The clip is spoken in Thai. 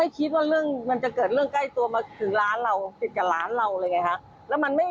จะโดดลงมาเพราะว่าทุกอย่างน่ะ